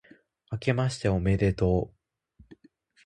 あけましておめでとう、